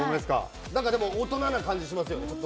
大人な感じがしますよね